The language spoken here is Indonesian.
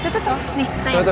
tuh tuh tuh